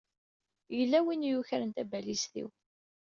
Yella win i yukren tabalizt-iw.